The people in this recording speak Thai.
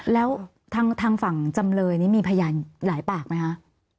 แล้วทางฝั่งจำเลยนี้มีพยานหลายปากไหมคะ